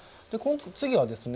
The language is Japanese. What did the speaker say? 次はですね